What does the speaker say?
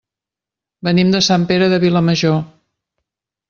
Venim de Sant Pere de Vilamajor.